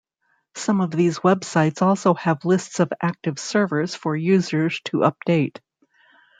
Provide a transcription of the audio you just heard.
Some of these websites also have lists of active servers for users to update.